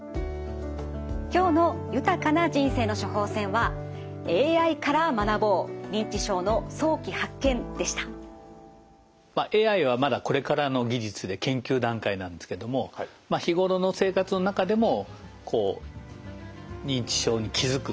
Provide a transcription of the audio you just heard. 今日の豊かな人生の処方せんはＡＩはまだこれからの技術で研究段階なんですけども日頃の生活の中でもこう認知症に気付くきっかけがあると。